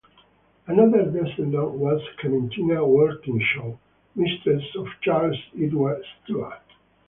Another descendant was Clementina Walkinshaw, mistress of Charles Edward Stuart.